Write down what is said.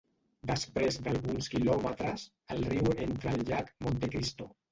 Després d'alguns quilòmetres, el riu entra al llac Monte Cristo.